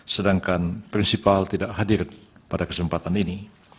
sedangkan prinsipal tidak hadir pada kesempatan ini